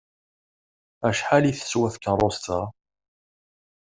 Acḥal i teswa tkeṛṛust-a?